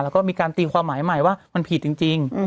แล้วก็มีการตีความหมายใหม่ว่ามันผิดจริง